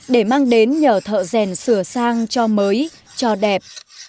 để mang đến nhờ thợ rèn sửa sang cho mới cho đẹp